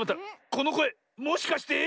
このこえもしかして。